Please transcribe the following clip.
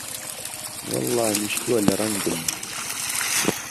وهڵڵا نیشتووه له رهنگم